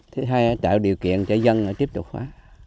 thứ hai là tạo điều kiện cho dân tiếp tục khóa